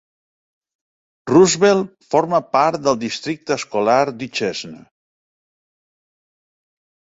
Roosevelt forma part del districte escolar Duchesne.